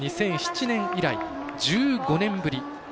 ２００７年以来、１５年ぶり。